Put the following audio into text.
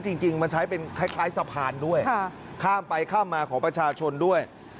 จริงมันใช้เป็นคล้ายสะพานด้วยข้ามไปข้ามมาของประชาชนด้วย